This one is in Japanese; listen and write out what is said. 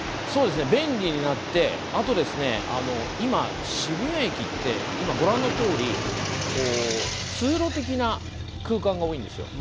便利になってあと、今、渋谷駅はご覧の通り通路的な空間が多いんです。